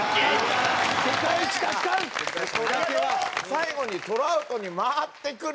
最後にトラウトに回ってくる。